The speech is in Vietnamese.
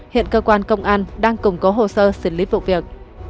hiện cơ quan công an đang củng cố hồ sơ xử lý vụ việc